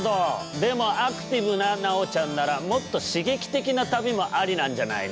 でもアクティブな奈央ちゃんならもっと刺激的な旅もありなんじゃないの？